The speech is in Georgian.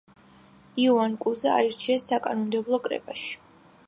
იოან კუზა აირჩიეს საკანონმდებლო კრებაში.